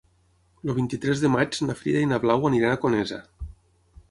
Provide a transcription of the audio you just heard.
El vint-i-tres de maig na Frida i na Blau aniran a Conesa.